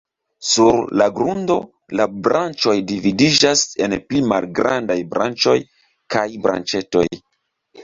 Sur la grundo, la branĉoj dividiĝas en pli malgrandaj branĉoj kaj branĉetoj.